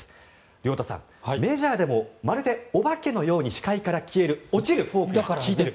亮太さん、メジャーでもまるでお化けのように視界から消える落ちるフォークが効いている。